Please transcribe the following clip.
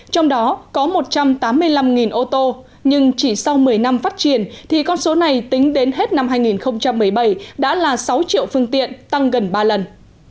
trong đó có một trăm tám mươi năm ô tô nhưng chỉ sau một mươi năm phát triển thì con số này tính đến hết năm hai nghìn một mươi bảy đã là sáu triệu phương tiện tăng gần ba lần